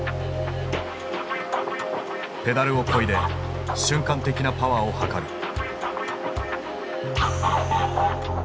ペダルをこいで瞬間的なパワーを測る。